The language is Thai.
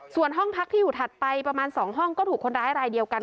ส่วนห้องพักที่อยู่ถัดไปประมาณ๒ห้องก็ถูกคนร้ายรายเดียวกัน